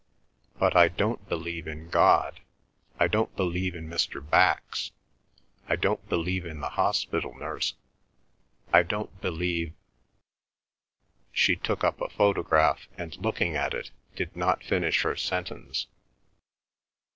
"But I don't believe in God, I don't believe in Mr. Bax, I don't believe in the hospital nurse. I don't believe—" She took up a photograph and, looking at it, did not finish her sentence.